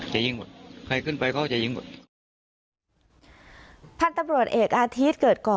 จะยิงหมดใครขึ้นไปเขาจะยิงหมดพันธุ์ตำรวจเอกอาทิตย์เกิดก่อ